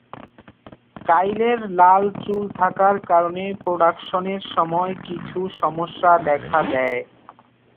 কাইলের লাল চুল থাকার কারণে প্রোডাকশনের সময় কিছু সমস্যা দেখা দেয়।